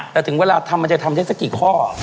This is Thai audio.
แต่ถึงเวลาทำมันจะทำได้สักกี่ข้อ